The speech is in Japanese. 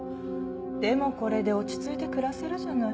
でもこれで落ち着いて暮らせるじゃない。